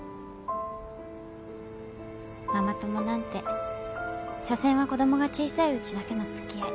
ママ友なんてしょせんは子供が小さいうちだけの付き合い。